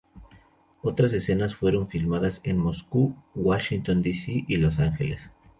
Otras escenas fueron filmadas en Moscú, Washington D. C. y Los Ángeles.